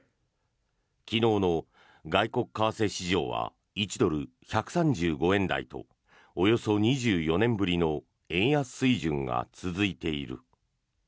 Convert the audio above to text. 昨日の外国為替市場は１ドル＝１３５円台とおよそ２４年ぶりの円安水準が続いている。